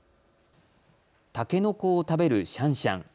たけのこを食べるシャンシャン。